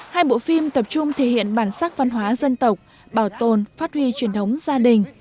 hai bộ phim tập trung thể hiện bản sắc văn hóa dân tộc bảo tồn phát huy truyền thống gia đình